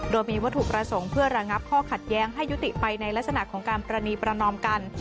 โดยมีวัตถุประสงค์เพื่อระงับข้อขัดแย้งให้ยุติไปในลักษณะของการปรณีประนอมกัน